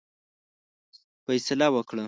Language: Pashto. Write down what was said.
فیصله وکړه.